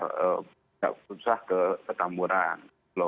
tidak usah ke petamburan